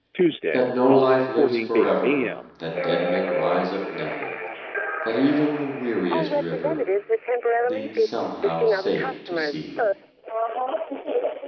That no life lives forever, That dead men rise up never, That even the weariest river Leads somehow safe to sea!